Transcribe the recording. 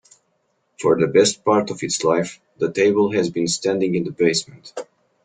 For the best part of its life, the table has been standing in the basement.